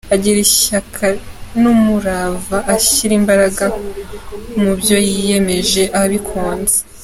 Agira ishyaka n’umurava, ashyira imbaraga mubyo yiyemeje abikunze.